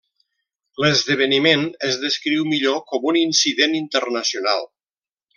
L'esdeveniment es descriu millor com un incident internacional.